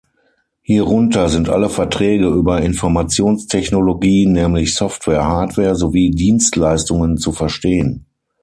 Hierunter sind alle Verträge über Informationstechnologie, nämlich Software, Hardware sowie Dienstleistungen zu verstehen.